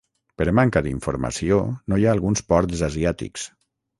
Per manca d'informació no hi ha alguns ports asiàtics.